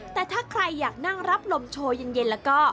แต่ถ้าใครอยากนั่งรับลมโชว์เย็นแล้วก็